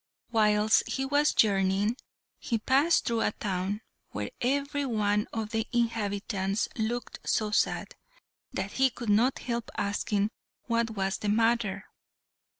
Whilst he was journeying he passed through a town, where every one of the inhabitants looked so sad, that he could not help asking what was the matter.